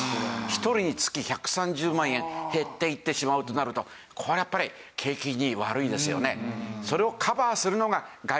１人につき１３０万円減っていってしまうとなるとこれやっぱり景気に悪いですよね。